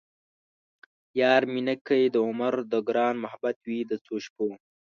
یار مې نه کئ د عمرو ـ د ګران محبت وئ د څو شپو